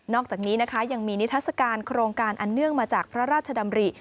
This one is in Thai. อกจากนี้นะคะยังมีนิทัศกาลโครงการอันเนื่องมาจากพระราชดำริ